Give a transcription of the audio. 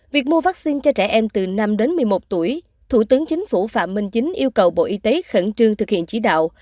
việc mua vaccine cho trẻ em từ năm đến một mươi một tuổi thủ tướng chính phủ phạm minh chính yêu cầu bộ y tế khẩn trương thực hiện chỉ đạo